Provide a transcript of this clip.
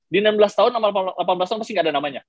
di enam belas tahun sama delapan belas tahun pasti nggak ada namanya